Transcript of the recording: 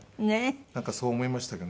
なんかそう思いましたけどね。